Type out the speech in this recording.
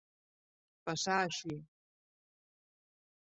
Passà així.